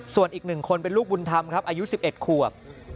ส่วนอีก๑คนเป็นลูกบุญธรรมครับอายุ๑๑ขวบ